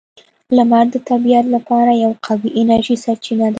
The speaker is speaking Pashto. • لمر د طبیعت لپاره یوه قوی انرژي سرچینه ده.